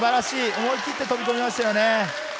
思い切って飛び込みましたね。